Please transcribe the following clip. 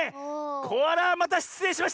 コアラまたしつれいしました！